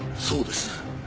そうです。